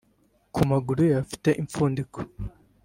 ku amaguru ye afite impfundiko